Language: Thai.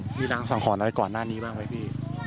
มีรางสังหรณ์อะไรก่อนหน้านี้บ้างไหมพี่